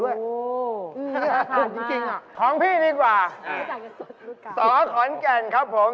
ถูกจริงอ่ะของพี่ดีกว่าสอขอนแก่นครับผม